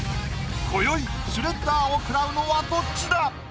今宵シュレッダーをくらうのはどっちだ